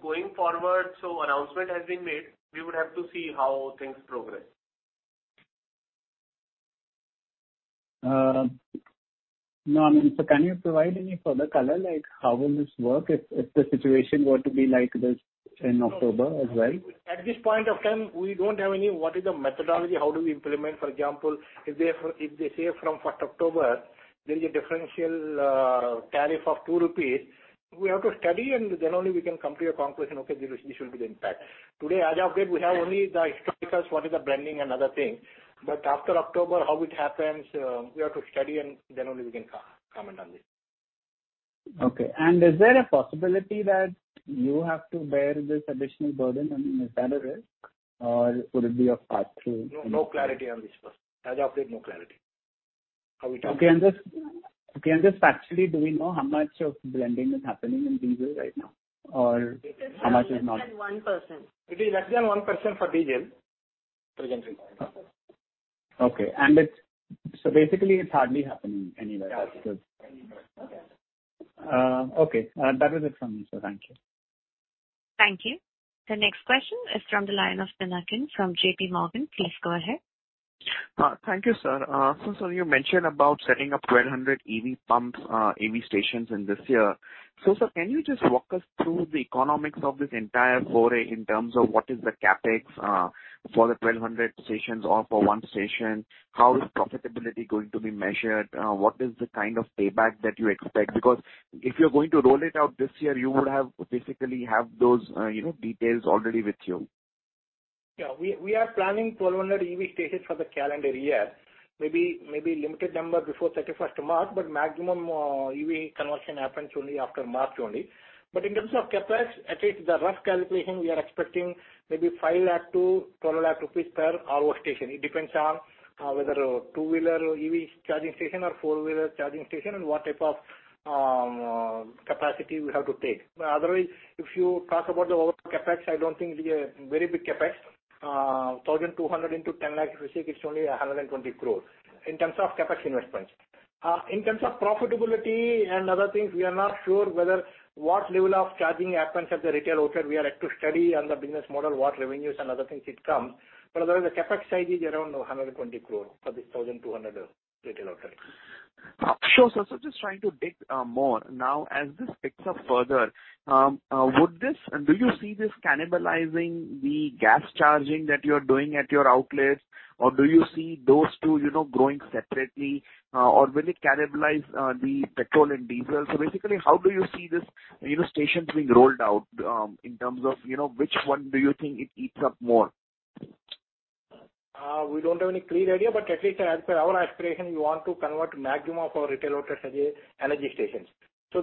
Going forward, so announcement has been made, we would have to see how things progress. No, I mean, can you provide any further color, like how will this work if the situation were to be like this in October as well? At this point of time, we don't have any what is the methodology, how do we implement. For example, if they say from first October there is a differential tariff of 2 rupees, we have to study and then only we can come to a conclusion, okay, this will be the impact. Today as of yet we have only the historicals, what is the blending and other things. After October, how it happens, we have to study and then only we can comment on this. Okay. Is there a possibility that you have to bear this additional burden and is that a risk or would it be a pass-through? No, no clarity on this. As of yet, no clarity how we talk. Okay. Just factually, do we know how much of blending is happening in diesel right now or how much is not? It is less than 1%. It is less than 1% for diesel presently. Okay. Basically it's hardly happening anywhere. Yeah. Okay. Okay. That is it from me, sir. Thank you. Thank you. The next question is from the line of Pinakin from JPMorgan. Please go ahead. Thank you, sir. Sir, you mentioned about setting up 1200 EV pumps, EV stations in this year. Sir, can you just walk us through the economics of this entire foray in terms of what is the CapEx for the 1200 stations or for one station? How is profitability going to be measured? What is the kind of payback that you expect? Because if you're going to roll it out this year, you would basically have those, you know, details already with you. Yeah. We are planning 1,200 EV stations for the calendar year. Maybe limited number before 31st of March, but maximum EV conversion happens only after March. In terms of CapEx, at least the rough calculation we are expecting maybe 5 lakh-12 lakh rupees per our station. It depends on whether two-wheeler EV charging station or four-wheeler charging station and what type of capacity we have to take. Otherwise, if you talk about the overall CapEx, I don't think it'll be a very big CapEx. 1,200 into 10 lakh, if you see, it's only 120 crores in terms of CapEx investments. In terms of profitability and other things, we are not sure what level of charging happens at the retail outlet. We are yet to study on the business model, what revenues and other things it comes. Otherwise, the CapEx side is around 120 crore for this 1,200 retail outlets. Sure, sir. Just trying to dig more. Now as this picks up further, do you see this cannibalizing the gas charging that you're doing at your outlets, or do you see those two, you know, growing separately? Or will it cannibalize the petrol and diesel? Basically, how do you see this, you know, stations being rolled out in terms of, you know, which one do you think it eats up more? We don't have any clear idea, but at least as per our aspiration, we want to convert maximum of our retail outlets into energy stations.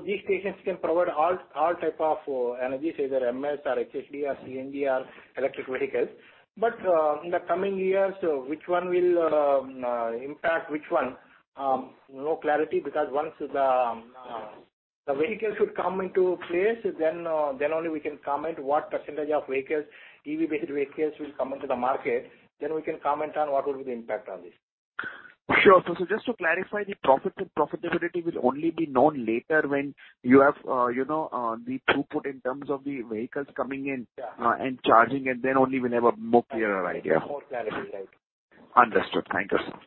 These stations can provide all types of energy, either MS or HSD or CNG or electric vehicles. In the coming years, which one will impact which one? No clarity because once the vehicles would come into place, then only we can comment what percentage of EV-based vehicles will come into the market, then we can comment on what will be the impact on this. Sure. Just to clarify, the profit and profitability will only be known later when you have, you know, the throughput in terms of the vehicles coming in- Yeah. -charging and then only we'll have a more clearer idea. More clarity, right. Understood. Thank you, sir.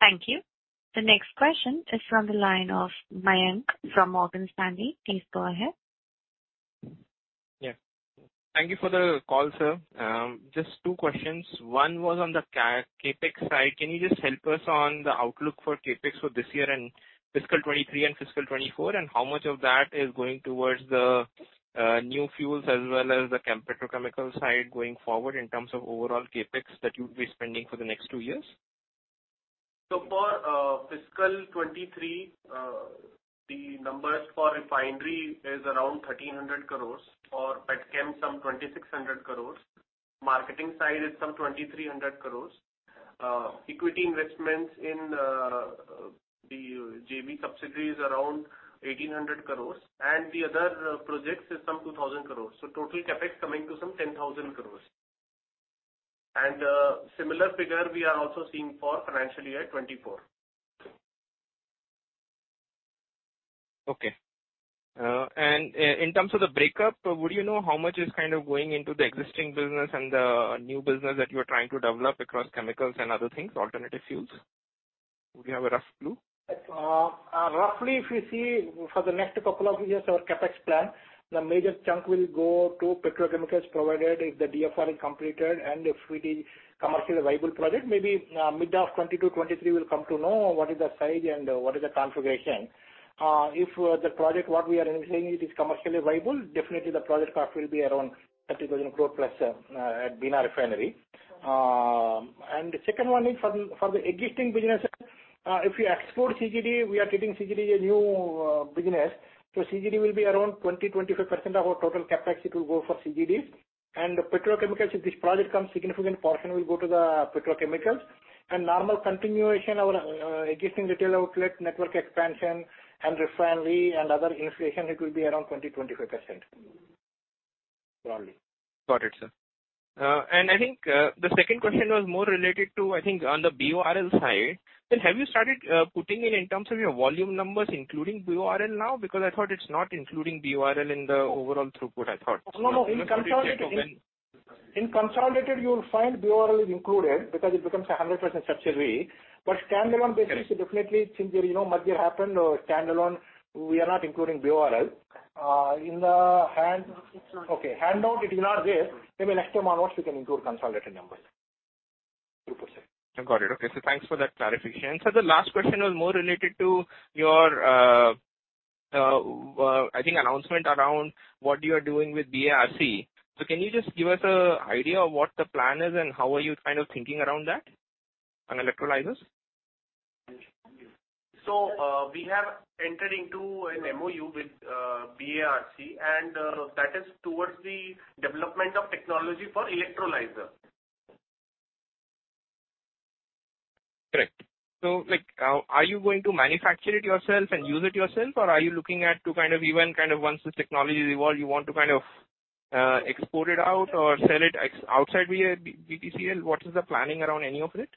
Thank you. The next question is from the line of Mayank from Morgan Stanley. Please go ahead. Yeah. Thank you for the call, sir. Just two questions. One was on the CapEx side. Can you just help us on the outlook for CapEx for this year and fiscal 2023 and fiscal 2024, and how much of that is going towards the new fuels as well as the petrochemical side going forward in terms of overall CapEx that you'll be spending for the next two years? For fiscal 2023, the numbers for refinery are around 1,300 crores. For petchem, some 2,600 crores. Marketing side is some 2,300 crores. Equity investments in the JV subsidiaries, around 1,800 crores. The other projects are some 2,000 crores. Total CapEx coming to some 10,000 crores. Similar figure we are also seeing for financial year 2024. Okay. In terms of the breakup, would you know how much is kind of going into the existing business and the new business that you are trying to develop across chemicals and other things, alternative fuels? Do you have a rough clue? Roughly if you see for the next couple of years, our CapEx plan, the major chunk will go to petrochemicals, provided if the DFR is completed and if it is commercially viable project. Maybe, mid of 2022-2023 we'll come to know what is the size and what is the configuration. If the project, what we are saying it is commercially viable, definitely the project cost will be around 30,000 crore plus, at Bina Refinery. The second one is for the existing businesses, if you explore CGD, we are treating CGD a new business. So CGD will be around 20%-25% of our total CapEx, it will go for CGD. Petrochemicals, if this project comes, significant portion will go to the petrochemicals. Normal continuation, our existing retail outlet network expansion and refinery and other inflation, it will be around 20%-25%. Roughly. Got it, sir. I think the second question was more related to, I think, on the BORL side. Have you started putting in terms of your volume numbers including BORL now? Because I thought it's not including BORL in the overall throughput, I thought. No, no. In consolidated, you will find BORL is included because it becomes a 100% subsidiary. But standalone basis, definitely since, you know, merger happened, standalone, we are not including BORL. Okay, handout it is not there. Maybe next time onwards we can include consolidated numbers. 2%. I've got it. Okay, thanks for that clarification. The last question was more related to your, I think announcement around what you are doing with BARC. Can you just give us an idea of what the plan is and how are you kind of thinking around that, on electrolyzers? We have entered into an MOU with BARC, and that is towards the development of technology for electrolyzer. Correct. Like, are you going to manufacture it yourself and use it yourself, or are you looking to kind of even kind of once this technology is evolved, you want to kind of export it out or sell it outside via BPCL? What is the planning around any of it?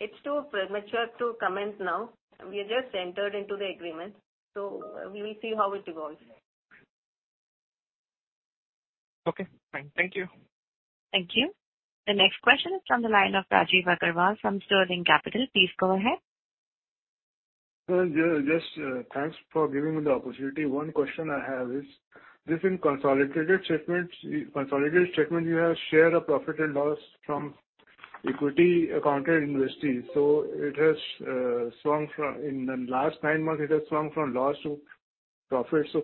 It's too premature to comment now. We just entered into the agreement, so we will see how it evolves. Okay, fine. Thank you. Thank you. The next question is from the line of Rajiv Agarwal from Sterling Capital. Please go ahead. Sir, yeah, just, thanks for giving me the opportunity. One question I have is, this in consolidated statements you have share of profit and loss from equity accounted investments. It has swung from loss to profit in the last nine months.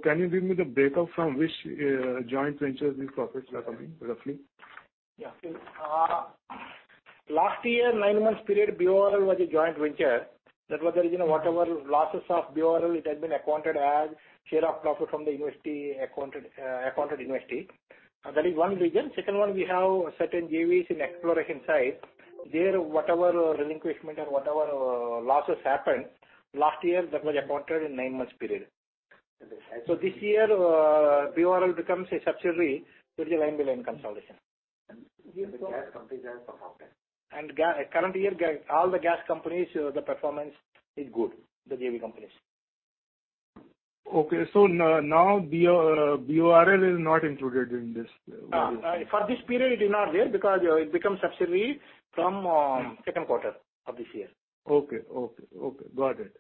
Can you give me the breakup from which joint ventures these profits are coming, roughly? Yeah, last year, nine months period, BORL was a joint venture. That was the reason whatever losses of BORL, it had been accounted as share of profit from the equity-accounted equity. That is one reason. Second one, we have certain JVs in exploration side. There, whatever relinquishment or whatever losses happened last year, that was accounted in nine months period. Okay. This year, BORL becomes a subsidiary. It will be line-by-line consolidation. The gas companies have performed well. GA current year, GA all the gas companies, the performance is good, the JV companies. Now BORL is not included in this. For this period it is not there because it becomes subsidiary from second quarter of this year. Okay. Got it.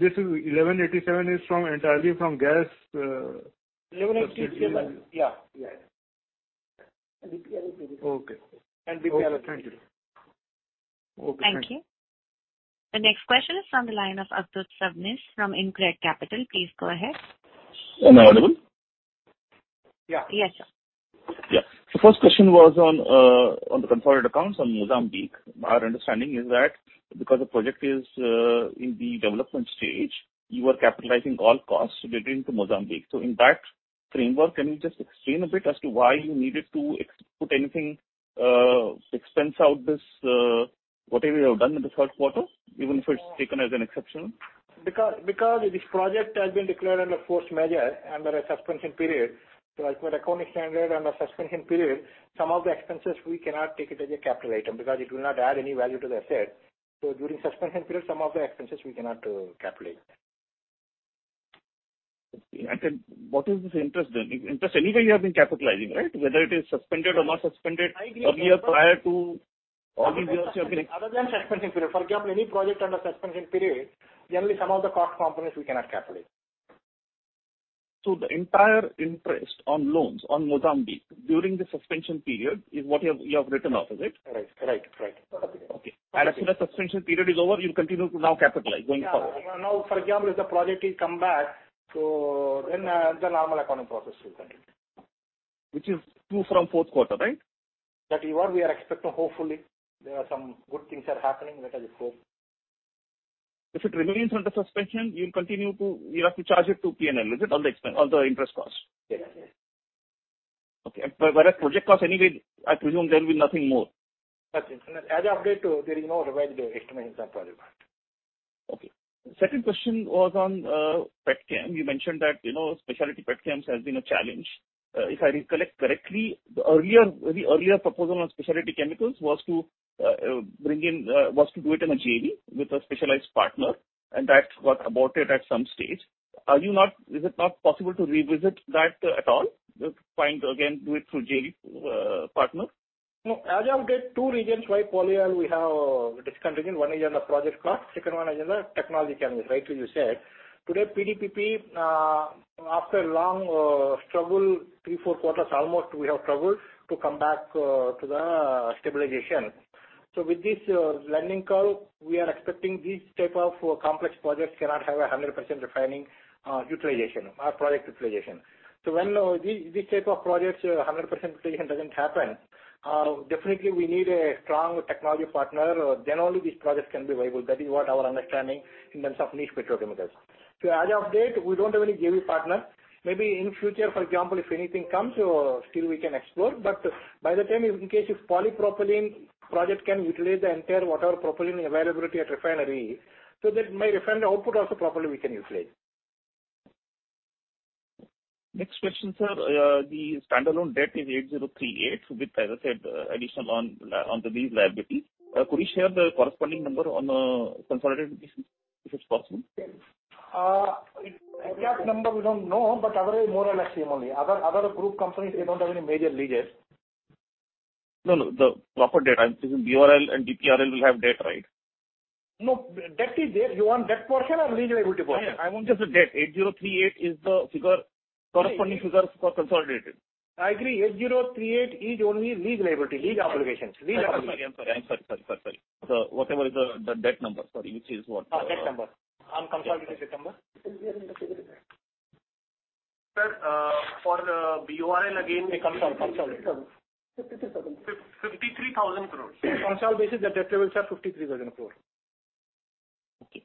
This is 1,187 entirely from gas. 1,187, yeah. Yeah. Okay. BPRL. Thank you. Okay, thank you. Thank you. The next question is from the line of Avadhoot Sabnis from InCred Capital. Please go ahead. Am I audible? Yeah. Yes, sir. Yeah. The first question was on the consolidated accounts on Mozambique. Our understanding is that because the project is in the development stage, you are capitalizing all costs relating to Mozambique. In that framework, can you just explain a bit as to why you needed to expense out this whatever you have done in the first quarter, even if it's taken as an exception? Because this project has been declared under force majeure under a suspension period. As per the accounting standard under suspension period, some of the expenses we cannot take it as a capital item because it will not add any value to the asset. During suspension period, some of the expenses we cannot capitalize. Okay. What is this interest then? Interest anyway you have been capitalizing, right? Whether it is suspended or not suspended a year prior to all these years you have been- Other than suspension period. For example, any project under suspension period, generally some of the cost components we cannot capitalize. The entire interest on loans on Mozambique during the suspension period is what you have written off, is it? Right. Okay. As soon as suspension period is over, you'll continue to now capitalize going forward. Yeah. Now, for example, if the project is come back, so then, the normal accounting process will continue. Which is true from fourth quarter, right? That year we are expecting. Hopefully there are some good things happening that I hope. If it remains under suspension, you have to charge it to P&L, is it, all the interest costs? Yes. Yes. Okay. Whereas project costs anyway, I presume there will be nothing more. Nothing. As I update, there is no revised estimates on project. Okay. Second question was on petchem. You mentioned that, you know, specialty petchems has been a challenge. If I recollect correctly, the earlier proposal on specialty chemicals was to do it in a JV with a specialized partner, and that got aborted at some stage. Is it not possible to revisit that at all? Find again, do it through JV partner? No, as of date, two reasons why polyol we have discontinued. One is on the project cost, second one is on the technology change, rightly you said. Today PDPP, after a long struggle, three, four quarters almost we have struggled to come back to the stabilization. With this learning curve, we are expecting these type of complex projects cannot have 100% refining utilization or project utilization. When these type of projects, 100% utilization doesn't happen, definitely we need a strong technology partner, then only these projects can be viable. That is what our understanding in terms of niche petrochemicals. As of date, we don't have any JV partner. Maybe in future, for example, if anything comes, still we can explore. By the time, in case if polypropylene project can utilize the entire whatever propylene availability at refinery, so that my refinery output also properly we can utilize. Next question, sir. The standalone debt is 8,038 with, as I said, addition on to these liabilities. Could you share the corresponding number on a consolidated basis, if it's possible? Exact number we don't know, but roughly more or less same only. Other group companies, they don't have any major leases. No, no, the proper debt. I'm thinking BORL and BGRL will have debt, right? No, debt is there. You want debt portion or lease liability portion? I want just the debt. 8,038 is the figure, corresponding figure for consolidated. I agree. 8,038 is only lease liability, lease obligations. I'm sorry. Whatever is the debt number. Sorry, which is what Debt number. On consolidated debt number? INR 53,000 crore. Sir, for the BORL again. Consolidate. 53,000 crores. INR 53,000 crores. Consolidated basis, the debt levels are 53,000 crore. Okay.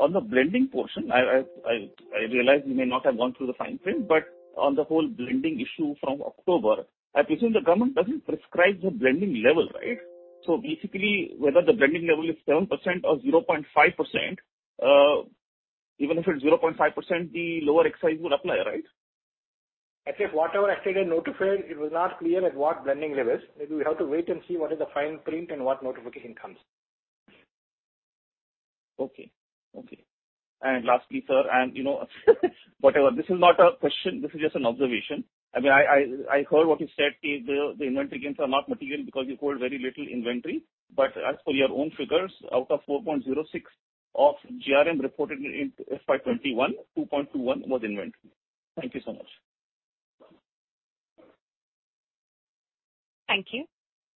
On the blending portion, I realize you may not have gone through the fine print, but on the whole blending issue from October, I presume the government doesn't prescribe the blending level, right? So basically whether the blending level is 7% or 0.5%, even if it's 0.5%, the lower excise would apply, right? As such, whatever actually they notified, it was not clear at what blending levels. Maybe we have to wait and see what is the fine print and what notification comes. Okay. Lastly, sir, you know whatever, this is not a question, this is just an observation. I mean, I heard what you said, the inventory gains are not material because you hold very little inventory. But as per your own figures, out of 4.06 of GRM reported in FY 2021, 2.21 was inventory. Thank you so much. Thank you.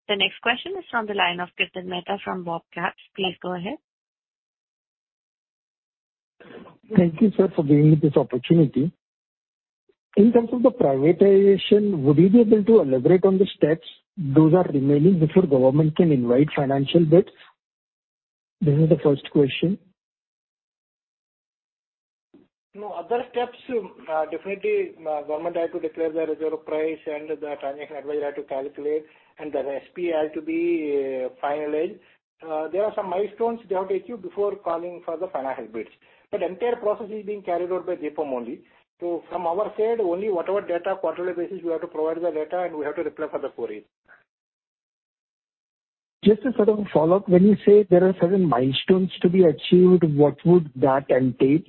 The next question is from the line of Kirtan Mehta from BOB Capital. Please go ahead. Thank you, sir, for giving me this opportunity. In terms of the privatization, would you be able to elaborate on the steps those are remaining before government can invite financial bids? This is the first question. No, other steps, definitely, government has to declare the reserve price and the transaction advisor has to calculate, and then SP has to be finalized. There are some milestones they have to achieve before calling for the financial bids. Entire process is being carried out by DIPAM only. From our side, only whatever data, quarterly basis we have to provide the data and we have to reply for the queries. Just a sort of follow-up. When you say there are certain milestones to be achieved, what would that entail?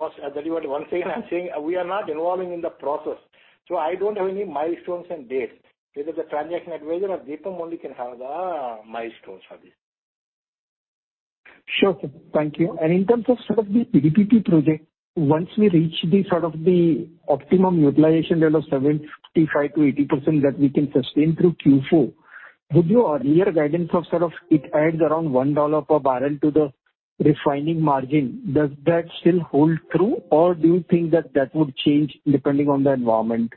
Of course. I tell you what, one second. I'm saying we are not involving in the process, so I don't have any milestones and dates. Whether the transaction advisor or DIPAM only can have the milestones for this. Sure, sir. Thank you. In terms of sort of the PDPP project, once we reach the sort of the optimum utilization level of 75%-80% that we can sustain through Q4, would your earlier guidance of sort of it adds around $1 per barrel to the refining margin, does that still hold true or do you think that that would change depending on the environment?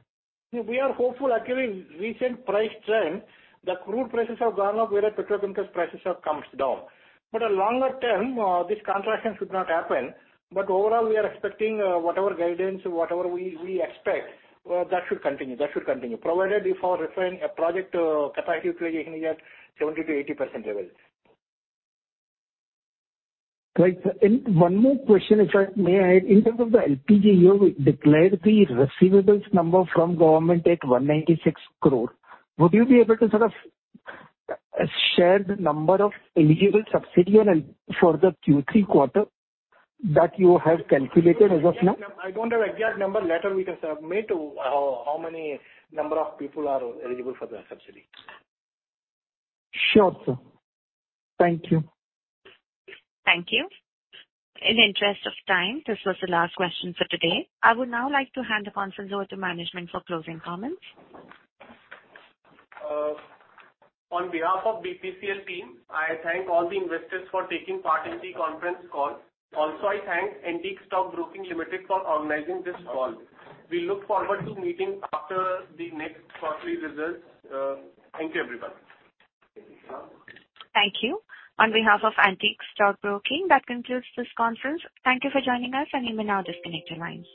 We are hopeful. Actually, recent price trend, the crude prices have gone up whereas petrochemical prices have comes down. A longer term, this contraction should not happen. Overall, we are expecting, whatever guidance, whatever we expect, that should continue. Provided if our refinery project capacity utilization is at 70%-80% levels. Right. One more question, if I may add. In terms of the LPG, you have declared the receivables number from government at 196 crore. Would you be able to sort of share the number of eligible subsidy for the Q3 quarter that you have calculated as of now? I don't have exact number. Later we can submit how many number of people are eligible for the subsidy. Sure, sir. Thank you. Thank you. In the interest of time, this was the last question for today. I would now like to hand the conference over to management for closing comments. On behalf of BPCL team, I thank all the investors for taking part in the conference call. Also, I thank Antique Stock Broking Limited for organizing this call. We look forward to meeting after the next quarterly results. Thank you, everyone. Thank you. On behalf of Antique Stock Broking, that concludes this conference. Thank you for joining us, and you may now disconnect your lines.